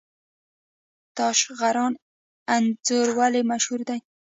تاشقرغان انځر ولې مشهور دي؟